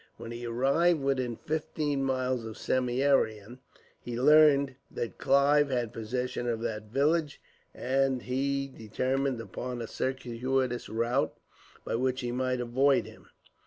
When he arrived within fifteen miles of Samieaveram, he learned that Clive had possession of that village, and he determined upon a circuitous route, by which he might avoid him.